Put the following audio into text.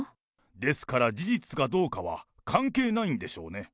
ですから事実かどうかは関係ないんでしょうね。